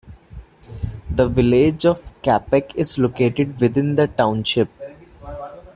The village of Capac is located within the township.